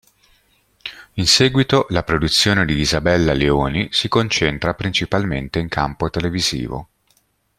In seguito la produzione di Isabella Leoni si concentra principalmente in campo televisivo.